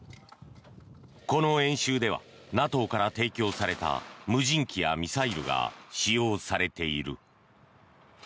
この演習ではＮＡＴＯから提供された無人機やミサイルが使用されている。